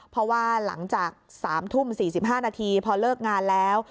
เพราะว่าหลังจาก๓ทุ่ม๔๕นาทีพอเลิกงานแล้ว